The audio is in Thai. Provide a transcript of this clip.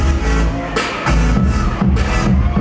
ไม่ต้องถามไม่ต้องถาม